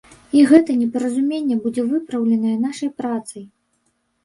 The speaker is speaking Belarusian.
І гэта непаразуменне будзе выпраўленае нашай працай.